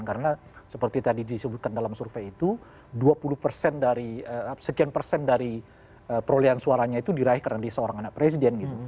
karena seperti tadi disebutkan dalam survei itu sekian persen dari perolehan suaranya itu diraih karena dia seorang anak presiden